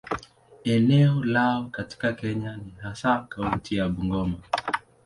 Eneo lao katika Kenya ni hasa kaunti ya Bungoma.